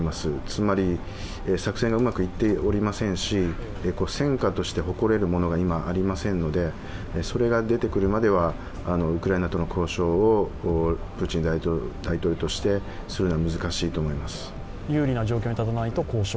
つまり、作戦がうまくいっておりませんし、戦果として誇れるものが今、ありませんのでそれが出てくるまでは、ウクライナとの交渉をプーチン大統領としてするのは難しいと思います。